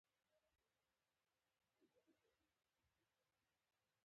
ځینې محصلین د ازموینې پر مهال اضطراب لري.